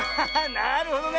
なるほどね。